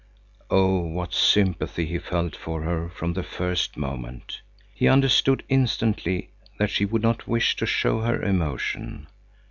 Oh, what sympathy he felt for her from the first moment. He understood instantly that she would not wish to show her emotion.